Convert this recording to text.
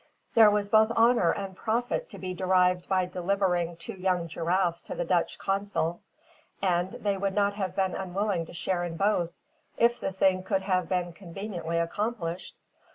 There was both honour and profit to be derived by delivering two young giraffes to the Dutch consul, and they would not have been unwilling to share in both, if the thing could have been conveniently accomplished.